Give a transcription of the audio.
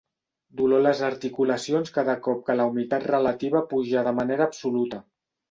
Dolor a les articulacions cada cop que la humitat relativa puja de manera absoluta.